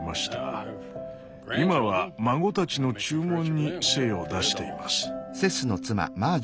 今は孫たちの注文に精を出しています。